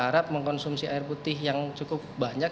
harap mengkonsumsi air putih yang cukup banyak